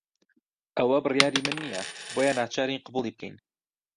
ئەوە بڕیاری من نییە، بۆیە ناچارین قبوڵی بکەین.